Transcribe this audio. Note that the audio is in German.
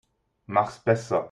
Mach's besser.